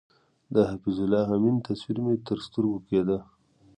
د حفیظ الله امین تصویر مې تر سترګو کېده.